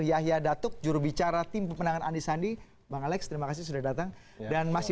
yahya datuk jurubicara tim pemenangan andi sandi bang alex terima kasih sudah datang dan masih